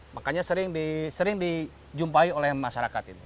makanya sering dijumpai oleh masyarakat ini